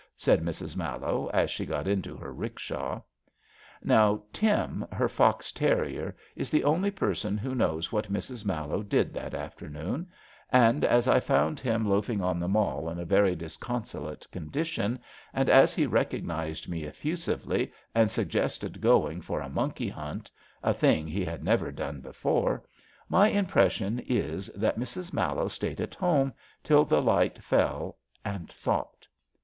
said Mrs. Mallowe, as she got into her 'rickshaw. Now, Tim, her fox terrier, is the only person who knows what Mrs. Mallowe did that afternoon, and as I found him loafing on the Mall in a very disconsolate condition and as he recognised me effusively and suggested going for a monkey hunt — a thing he had never done before — ^my impres sion is that Mrs. Mallowe stayed at home till the light fell and thought.